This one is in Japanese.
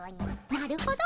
なるほど。